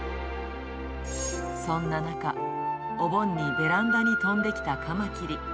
そんな中、お盆にベランダに飛んできたカマキリ。